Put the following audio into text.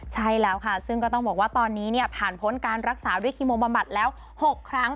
ใช่แล้วค่ะซึ่งก็ต้องบอกว่าตอนนี้ผ่านพ้นการรักษาด้วยคีโมบำบัดแล้ว๖ครั้ง